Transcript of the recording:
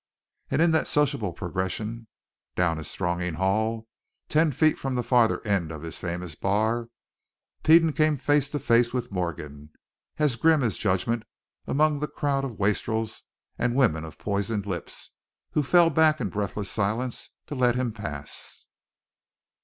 And in that sociable progression down his thronging hall, ten feet from the farther end of his famous bar, Peden came face to face with Morgan, as grim as judgment among the crowd of wastrels and women of poisoned lips, who fell back in breathless silence to let him pass.